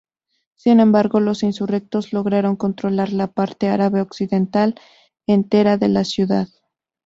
Sin embargo los insurrectos lograron controlar la parte árabe occidental entera de la Ciudad.